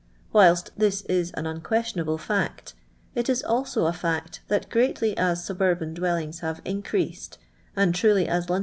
Whilst this ij< an unque^iionabie fact, it is also a fact, that greatly as suburban dwellings have increased, and trulv as Londo.